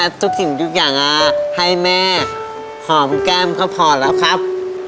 ทุกสิ่งทุกอย่างให้แม่หอมแก้มก็พอแล้วครับ